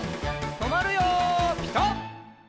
とまるよピタ！